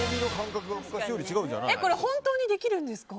これ、本当にできるんですか？